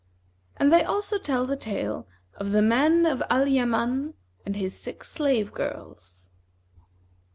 And they also tell the tale of THE MAN OF AI YAMAN AND HIS SIX SlAVE GIRLS.